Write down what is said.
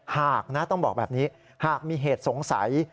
หากนะต้องบอกแบบนี้หากมีเหตุสงสัย